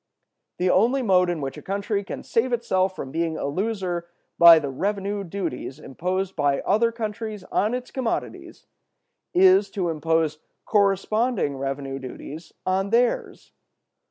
The only mode in which a country can save itself from being a loser by the revenue duties imposed by other countries on its commodities is, to impose corresponding revenue duties on theirs.